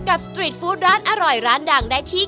สตรีทฟู้ดร้านอร่อยร้านดังได้ที่